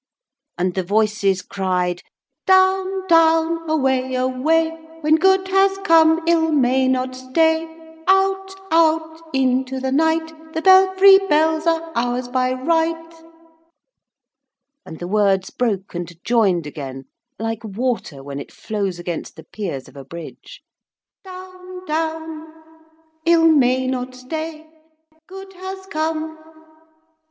And the voices cried: Down, down away, away, When good has come ill may not stay, Out, out, into the night, The belfry bells are ours by right! And the words broke and joined again, like water when it flows against the piers of a bridge. 'Down, down .' 'Ill may not stay .' 'Good has come